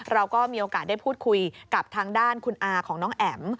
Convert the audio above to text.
เราก็มีโอกาสได้พูดคุยกับทางด้านคุณอาของน้องแอ๋ม